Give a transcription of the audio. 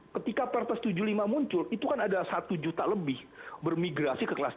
ketika perpres tujuh puluh lima muncul itu kan ada satu juta lebih bermigrasi ke kelas tiga